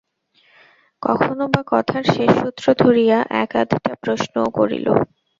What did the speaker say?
কখনো-বা কথার শেষ সূত্র ধরিয়া এক-আধটা প্রশ্নও করিল।